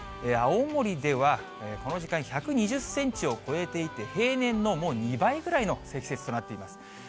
青森ではこの時間、１２０センチを超えていて、平年のもう２倍くらいの積雪となっています。